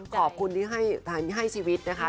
ขอบคุณที่ให้ชีวิตนะคะ